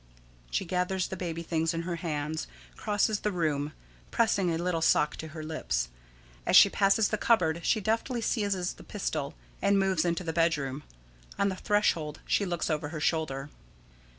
[_She gathers the baby things in her hands, crosses the room, pressing a little sock to her lips. As she passes the cupboard she deftly seizes the pistol, and moves into the bedroom. On the threshold she looks over her shoulder.